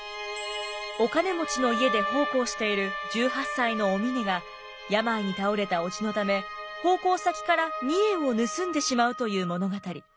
お金持ちの家で奉公している１８歳のお峰が病に倒れた伯父のため奉公先から２円を盗んでしまうという物語。